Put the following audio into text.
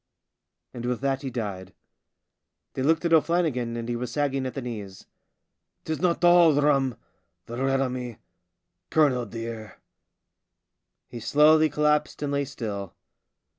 And with that he died. They looked at O'Flannigan, and he was sagging at the knees. "Bedad! 'tis not all rum, the red on me, colonel, dear." He slowly collapsed and lay still.